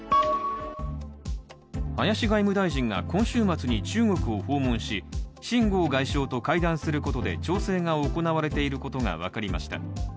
林外務大臣が今週末に中国を訪問し秦剛外相と会談することで調整が行われていることが分かりました。